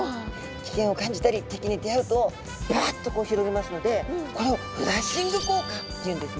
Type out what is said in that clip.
危険を感じたり敵に出会うとバッとこう広げますのでこれをフラッシング効果っていうんですね。